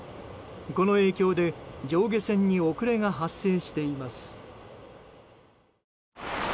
この影響で上下線に遅れが発生しています。